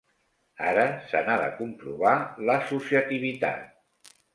Ara se n'ha de comprovar l'associativitat.